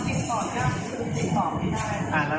ติดต่ออย่างติดต่อไม่ได้